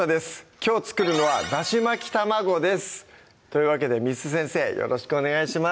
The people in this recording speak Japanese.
きょう作るのは「だし巻き玉子」ですというわけで簾先生よろしくお願いします